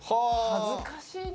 恥ずかしいね。